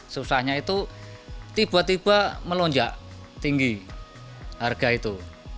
susahnya itu tiba tiba melonjak tinggi harga itu